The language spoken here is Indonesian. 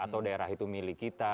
atau daerah itu milik kita